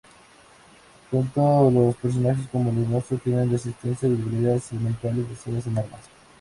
Tanto los personajes como los monstruos tienen resistencias y debilidades elementales basadas en armas.